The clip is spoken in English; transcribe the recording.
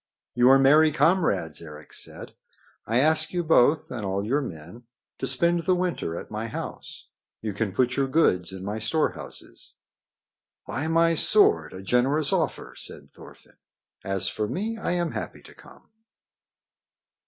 "You are merry comrades," Eric said. "I ask you both and all your men to spend the winter at my house. You can put your goods into my storehouses." "By my sword! a generous offer," said Thorfinn. "As for me, I am happy to come."